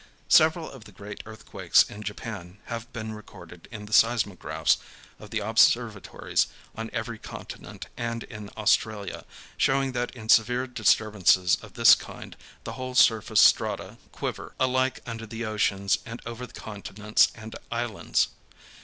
Several of the great earthquakes in Japan have been recorded in the seismographs of the observatories on every continent and in Australia, showing that in severe disturbances of this kind the whole surface strata quiver, alike under the oceans and over the continents and islands.